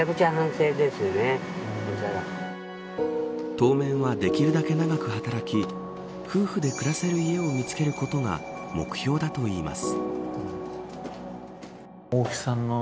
当面はできるだけ長く働き夫婦で暮らせる家を見つけることが目標だといいます。